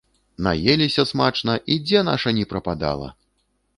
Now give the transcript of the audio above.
Наеліся смачна і дзе наша ні прападала!